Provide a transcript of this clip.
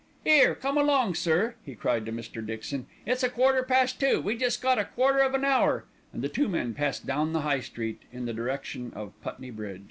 'Ere, come along, sir!" he cried to Mr. Dixon. "It's a quarter past two, we jest got a quarter of an hour;" and the two men passed down the High Street in the direction of Putney Bridge.